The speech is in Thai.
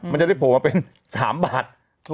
มันจะได้โผล่มาเป็น๓บาท